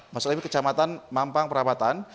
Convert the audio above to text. maksudnya kecamatan mampang peramatan